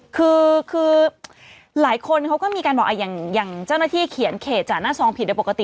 คือหลายคนเขาก็มีการบอกอย่างเจ้าหน้าที่เขียนเขตจากหน้าซองผิดโดยปกติ